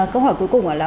câu hỏi cuối cùng là